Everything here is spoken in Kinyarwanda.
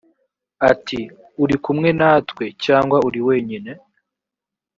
ati uri kumwe natwe cyangwa uri wenyine